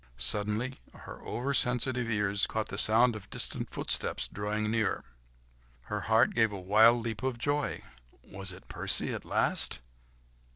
Suddenly her over sensitive ears caught the sound of distant footsteps drawing near; her heart gave a wild leap of joy! Was it Percy at last?